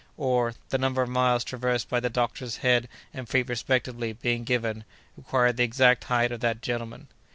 —or, the number of miles traversed by the doctor's head and feet respectively being given, required the exact height of that gentleman?